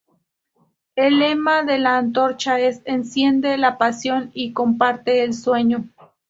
El lema de la antorcha es "Enciende la pasión y comparte el sueño".